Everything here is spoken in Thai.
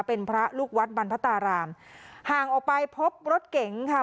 เป็นพระลูกวัดบรรพตารามห่างออกไปพบรถเก๋งค่ะ